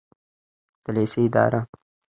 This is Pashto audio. د لیسې اداره